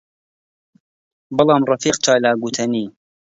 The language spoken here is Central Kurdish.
بەڵام ڕەفیق چالاک گوتەنی: